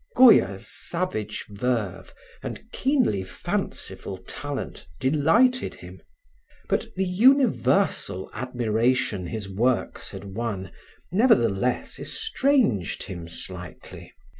Goya's savage verve and keenly fanciful talent delighted him, but the universal admiration his works had won nevertheless estranged him slightly.